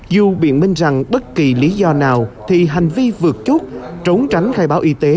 dù biện minh rằng bất kỳ lý do nào thì hành vi vượt chốt trốn tránh khai báo y tế